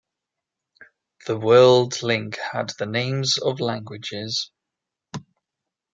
The World link had the names of languages.